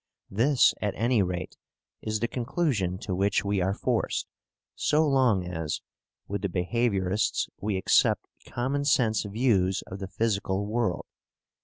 This, at any rate, is the conclusion to which we are forced, so long as, with the behaviourists, we accept common sense views of the physical world.